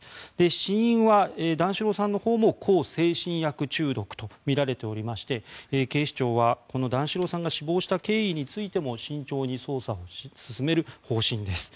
死因は段四郎さんのほうも向精神薬中毒とみられていまして警視庁は段四郎さんが死亡した経緯についても慎重に捜査を進める方針です。